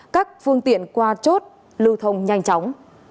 các phương tiện qua chốt lưu thông nhanh chóng